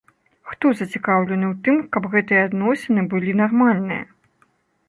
Хто зацікаўлены ў тым, каб гэтыя адносіны былі нармальныя?